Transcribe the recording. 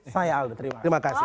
saya aldo terima kasih